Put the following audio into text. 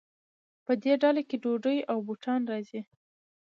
په دې ډله کې ډوډۍ او بوټان راځي.